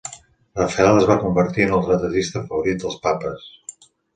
Rafael es va convertir en el retratista favorit dels papes.